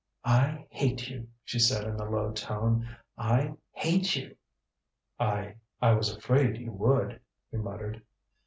"I hate you!" she said in a low tone. "I hate you!" "I I was afraid you would," he muttered.